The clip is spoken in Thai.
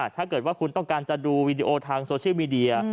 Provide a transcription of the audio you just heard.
ถ้าเกิดว่าคุณต้องการจะดูวีดีโอทางโซเชียลมีเดีย